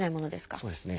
そうですね。